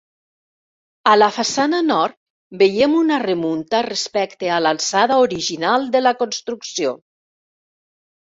A la façana nord veiem una remunta respecte a l'alçada original de la construcció.